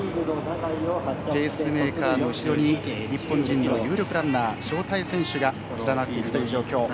ペースメーカーの後ろに日本人の有力ランナー招待選手が連なっていくという状況。